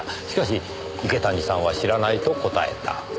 しかし池谷さんは知らないと答えた。